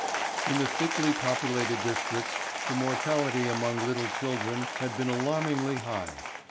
In the thickly populated districts the mortality amongst little children had been alarmingly high.